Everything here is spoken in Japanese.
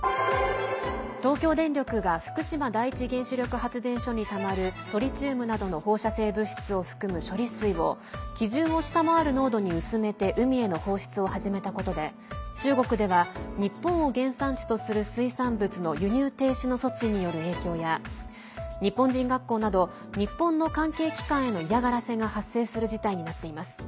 東京電力が福島第一原子力発電所にたまるトリチウムなどの放射性物質を含む処理水を基準を下回る濃度に薄めて海への放出を始めたことで中国では、日本を原産地とする水産物の輸入停止の措置による影響や日本人学校など日本の関係機関への嫌がらせが発生する事態になっています。